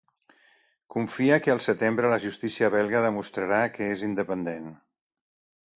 Confia que al setembre la justícia belga demostrarà que és independent.